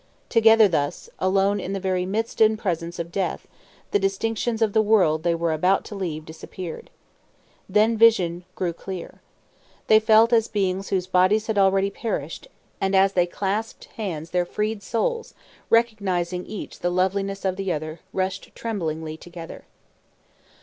Together thus, alone in the very midst and presence of death, the distinctions of the world they were about to leave disappeared. Then vision grew clear. They felt as beings whose bodies had already perished, and as they clasped hands their freed souls, recognizing each the loveliness of the other, rushed tremblingly together.